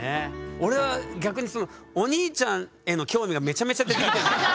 俺は逆にお兄ちゃんへの興味がめちゃめちゃ出てきてんだけど。